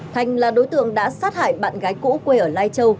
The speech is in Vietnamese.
thành là đối tượng đã sát hại bạn gái cũ quê ở lai châu